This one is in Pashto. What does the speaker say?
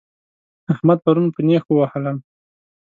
احمد پرون په نېښ ووهلم